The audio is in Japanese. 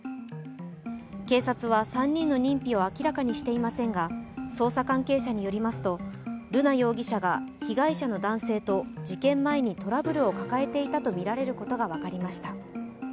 警察は３人の認否を明らかにしていませんが、捜査関係者によりますと瑠奈容疑者が被害者の男性と事件前にトラブルを抱えていたとみられることが分かりました。